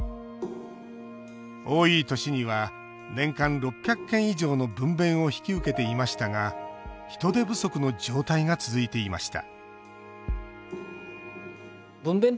多い年には年間６００件以上の分べんを引き受けていましたが人手不足の状態が続いていました